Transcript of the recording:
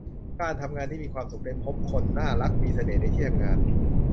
การทำงานที่มีความสุข ได้พบคนน่ารักมีเสน่ห์ในที่ทำงาน